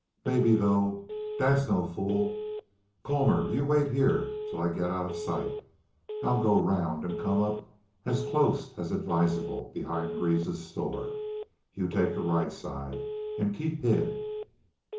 "Maybe, though ... Dad's no fool. Colmor, you wait here till I get out of sight. I'll go round an' come up as close as advisable behind Greaves's store. You take the right side. An' keep hid."